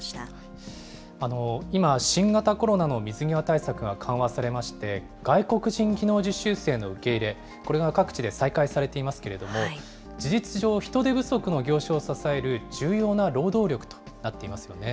今、新型コロナの水際対策が緩和されまして、外国人技能実習生の受け入れ、これが各地で再開されていますけれども、事実上、人手不足の業種を支える重要な労働力となっていますよね。